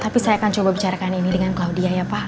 tapi saya akan coba bicarakan ini dengan claudia ya pak